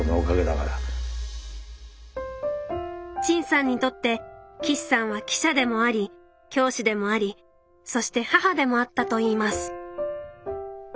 陳さんにとって岸さんは記者でもあり教師でもありそして母でもあったといいます。